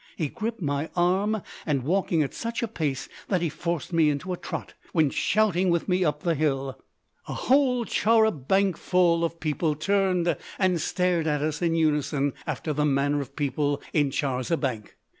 He gripped my arm and, walking at such a pace that he forced me into a trot, went shouting with me up the hill. A whole char a banc ful of people turned and stared at us in unison after the manner of people in chars a banc.